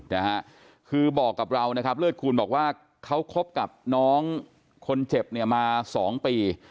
เลิศคูณบอกว่าเขาคบกับน้องคนเจ็บมา๒ปี